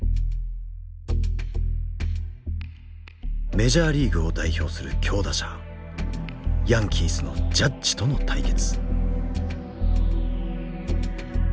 メジャーリーグを代表する強打者ヤンキースのジャッジとの対決。